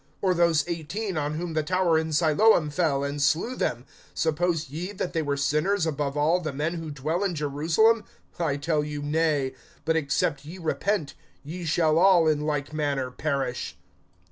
(4)Or those eighteen, on whom the tower in Siloam fell, and slew them, suppose ye that they were sinners above all the men who dwell in Jerusalem? (5)I tell you, nay; but, except ye repent, ye shall all in like manner perish.